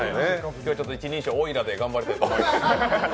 今日は一人称多いので、頑張りたいと思います。